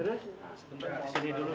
di sini dulu ya